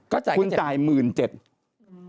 ก็จ่ายไป๗๐๐๐บาทคุณจ่าย๑๗๐๐บาท